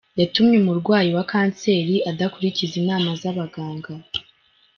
Yatumye umurwayi wa kanseri adakurikiza inama z’abaganga.